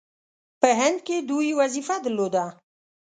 په هند کې دوی وظیفه درلوده.